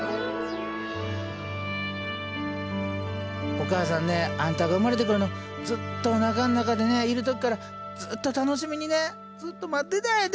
お母さんねあんたが産まれてくるのずっとおなかん中でねいる時からずっと楽しみにねずっと待ってたんやで。